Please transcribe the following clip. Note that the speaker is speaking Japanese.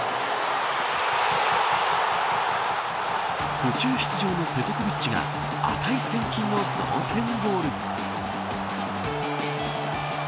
途中出場のペトコヴィッチが値千金の同点ゴール。